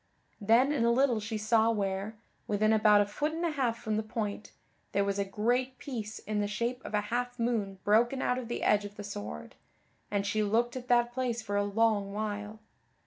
Then in a little she saw where, within about a foot and a half from the point, there was a great piece in the shape of a half moon broken out of the edge of the sword; and she looked at that place for a long while.